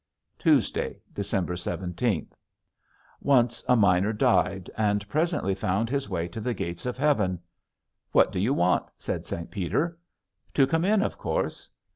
Tuesday, December seventeenth. Once a miner died and presently found his way to the gates of heaven. "What do you want?" said St. Peter. "To come in, of course."